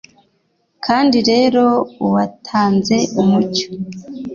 Kandi rero, uwatanze umucyo,